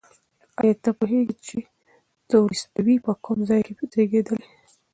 ایا ته پوهېږې چې تولستوی په کوم ځای کې زېږېدلی؟